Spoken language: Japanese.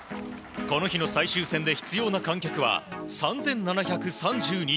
この日の最終戦で必要な観客は３７３２人。